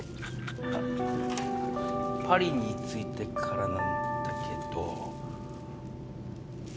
パリに着いてからなんだけど。